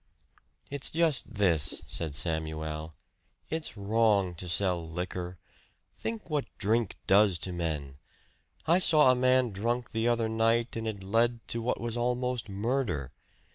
"It's just this," said Samuel. "It's wrong to sell liquor! Think what drink does to men? I saw a man drunk the other night and it led to what was almost murder.